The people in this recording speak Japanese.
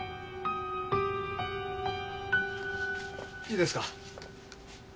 いいですか？